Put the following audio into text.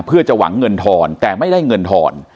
เพื่อจะหวังเงินทอนแต่ไม่ได้เงินทอน